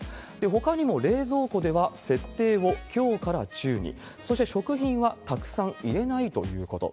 ほかにも冷蔵庫では、設定を強から中に、そして食品はたくさん入れないということ。